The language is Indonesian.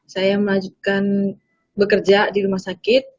saya melanjutkan bekerja di rumah sakit